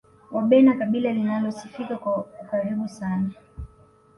wabena kabila linalosifika kwa ukaribu sana